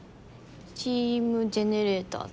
チーム・ジェネレーターズ。